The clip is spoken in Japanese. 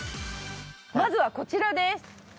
まずはこちらです。